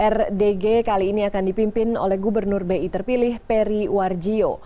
rdg kali ini akan dipimpin oleh gubernur bi terpilih peri warjio